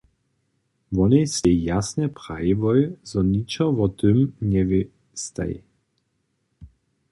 Wonej stej jasnje prajiłoj, zo ničo wo tym njewěstej.